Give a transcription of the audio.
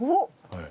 はい。